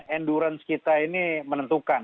endurance kita ini menentukan